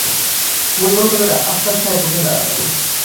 বই বন্ধ করে আফসার সাহেব উঠে দাঁড়ালেন।